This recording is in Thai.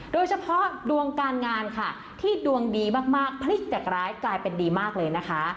โดยเฉพาะดวงการงานค่ะที่ดวงดีมากพลิกจากร้ายกลายเป็นดีมากเลยนะคะ